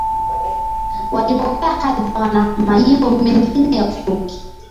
walipokea hadhi sawa na majimbo mengine ya Uturuki